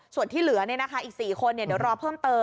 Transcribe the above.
ส่วนที่เหลือเนี่ยนะคะอีก๔คนเดี๋ยวรอเพิ่มเติม